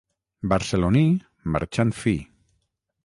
Barceloní, marxant fi.